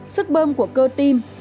sức bơm của cơ tim